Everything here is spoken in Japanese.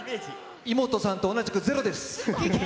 イモトさんと一緒でゼロです。